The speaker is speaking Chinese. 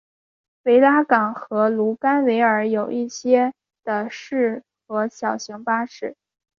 维拉港和卢甘维尔有一些的士和小型巴士。